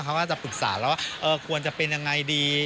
เขาก็จะปรึกษาแล้วว่าควรจะเป็นยังไงดี